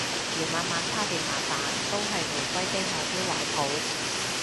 嫌晚晚叉電麻煩都係回歸機械錶懷抱